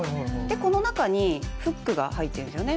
この中にフックが入ってるんですよね